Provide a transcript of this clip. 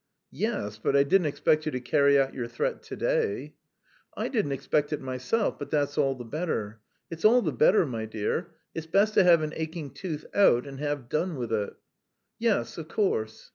"Yes, but I didn't expect you to carry out your threat to day." "I didn't expect it myself, but that's all the better. It's all the better, my dear. It's best to have an aching tooth out and have done with it." "Yes, of course."